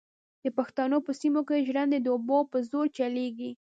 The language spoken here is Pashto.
د پښتنو په سیمو کې ژرندې د اوبو په زور چلېږي.